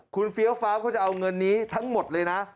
คุณเฟี้ยวฟ้าวเขาจะเอาเงินนี้ทั้งหมดเลยนะ